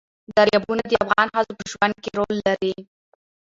دریابونه د افغان ښځو په ژوند کې رول لري.